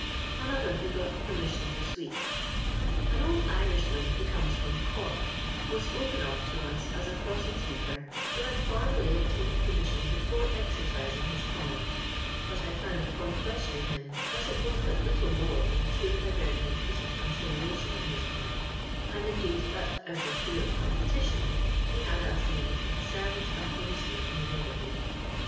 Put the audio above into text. Another who got Peiuiission to Sweep. An old Irishman, who comes from Cork, was spoken of to us as a crossing sweeper wlio had formally obtained permission before exercising his calling; but I found, upon questioning him, that it was but little more tlinn a true Hibernian piece of conciliation on his port ; and, indeed, that out of fear of competition, he hod asked leave of the servants and poUce man in the neighbourhood.